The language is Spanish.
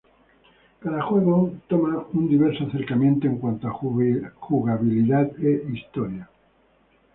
Cada juego toma un diverso acercamiento en cuanto a jugabilidad e historia.